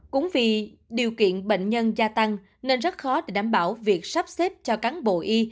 cũng vì điều kiện bệnh nhân gia tăng nên rất khó để đảm bảo việc sắp xếp cho cán bộ y